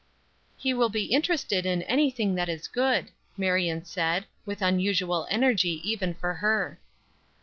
"He will be interested in anything that is good," Marion said, with unusual energy even for her.